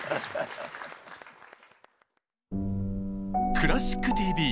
「クラシックＴＶ」